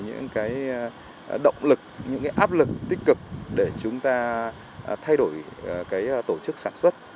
những động lực những áp lực tích cực để chúng ta thay đổi tổ chức sản xuất